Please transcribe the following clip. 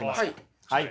はい。